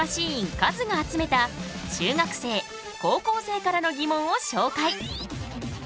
ＫＡＺＵが集めた中学生高校生からの疑問を紹介！